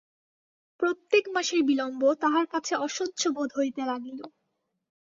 প্রত্যেক মাসের বিলম্ব তাহার কাছে অসহ্য বোধ হইতে লাগিল।